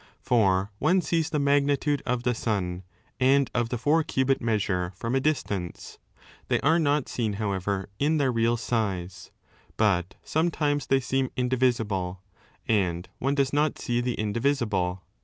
For one sees the magnitude of the sun and of the four cubit measure from a distance ; they are not seen, however, in their real size, but sometimes they seem indivisible, and one does not see the indivisible.